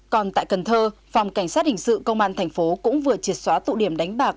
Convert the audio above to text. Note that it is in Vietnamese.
còn tại cần thơ phòng cảnh sát hình sự công an thành phố cũng vừa triệt xóa tụ điểm đánh bạc